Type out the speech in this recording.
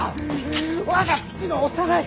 我が父の幼い。